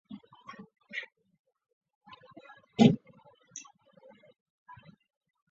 多尔多尼河畔阿莱。